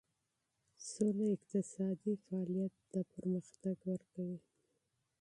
امنیت اقتصادي فعالیت ته وده ورکوي.